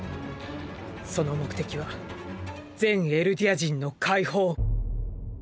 その目的は全エルディア人の解放！